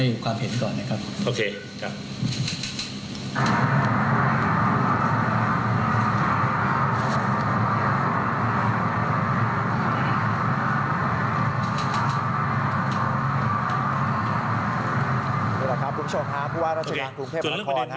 นี่แหละครับคุณผู้ชมฮะผู้ว่าราชการกรุงเทพมหานคร